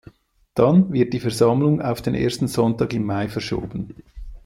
Dann wird die Versammlung auf den ersten Sonntag im Mai verschoben.